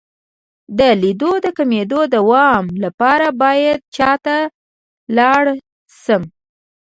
د لید د کمیدو د دوام لپاره باید چا ته لاړ شم؟